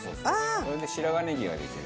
これで白髪ネギができる。